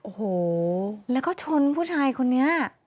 โอ้โหแล้วก็ชนผู้ชายคนนี้